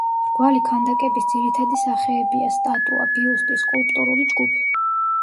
მრგვალი ქანდაკების ძირითადი სახეებია, სტატუა, ბიუსტი, სკულპტურული ჯგუფი.